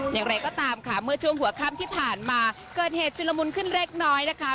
ยังไงเลยก็ตามค่ะเมื่อช่วงหัวครั้มที่ผ่านมาเกิดเหตุชุนมหนึ่งขึ้นเล็กน้อยนะคะ